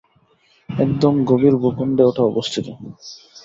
একদম গভীর ভূখন্ডে ওটা অবস্থিত।